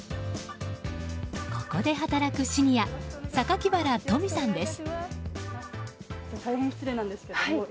ここで働くシニア榊原登美さんです。